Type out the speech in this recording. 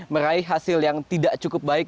meraih hasil yang tidak cukup baik